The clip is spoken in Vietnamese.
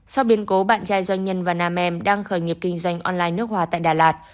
sau biến cố bạn trai doanh nhân và nam em đang khởi nghiệp kinh doanh online nước hoa tại đà lạt